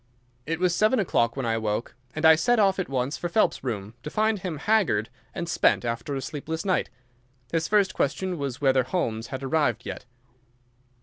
It was seven o'clock when I awoke, and I set off at once for Phelps's room, to find him haggard and spent after a sleepless night. His first question was whether Holmes had arrived yet.